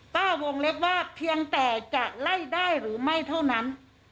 วงเล็บว่าเพียงแต่จะไล่ได้หรือไม่เท่านั้น